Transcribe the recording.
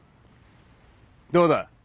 どうだ？